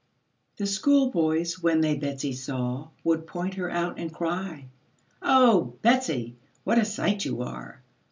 The schoolboys, when they Betsy saw, Would point her out, and cry, "Oh! Betsy, what a sight you are!